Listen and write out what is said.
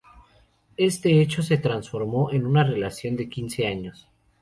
Este hecho se transformó en una relación de quince años.